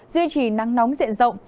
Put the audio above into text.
duy trì nắng nóng diện rộng